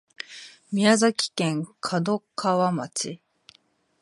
宮崎県門川町